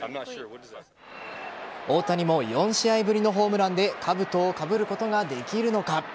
大谷も４試合ぶりのホームランでかぶとをかぶることができるのか。